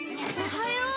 おはよう。